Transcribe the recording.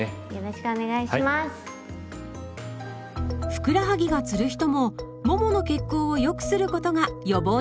ふくらはぎがつる人もももの血行を良くすることが予防につながります。